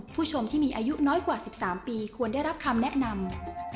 ผู้ชมที่มีอายุน้อยกว่า๑๓ปีควรได้รับคำแนะนำ